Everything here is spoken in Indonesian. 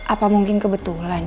apa mungkin kebetulan